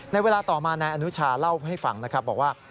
ในเวลาต่อมานายอนุชาเล่าให้ฟังนะครับบอกว่า